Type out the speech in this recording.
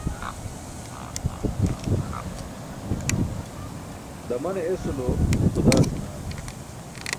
Damane esulo xudaa senaaan.